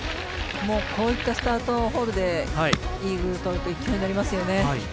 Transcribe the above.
こういったスタートホールでイーグル取ると勢いに乗りますよね。